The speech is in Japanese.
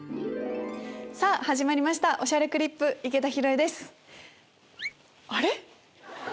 さぁ始まりました『おしゃれクリップ』井桁弘恵です。